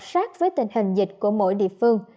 sát với tình hình dịch của mỗi địa phương